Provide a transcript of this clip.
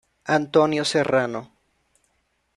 Antonio Serrano.